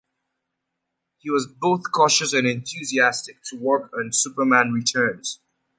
He was both cautious and enthusiastic to work on "Superman Returns".